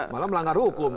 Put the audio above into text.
malah melanggar hukum